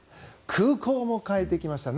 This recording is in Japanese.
空港も変えていきました。